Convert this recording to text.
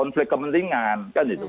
sikap dan perilaku